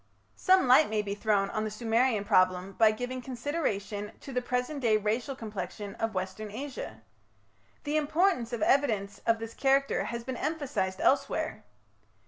Some light may be thrown on the Sumerian problem by giving consideration to the present day racial complexion of Western Asia. The importance of evidence of this character has been emphasized elsewhere.